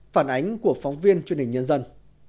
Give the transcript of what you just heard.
phản ánh của phóng viên truyền hình nhân dân